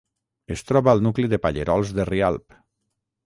Es troba al nucli de Pallerols de Rialb.